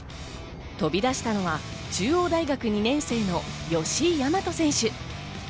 飛び出したのは中央大学２年生の吉居大和選手。